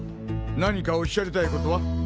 何かおっしゃりたいことは？